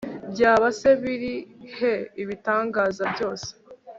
byaba se biri he, ibitangaza byose